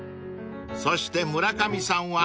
［そして村上さんは］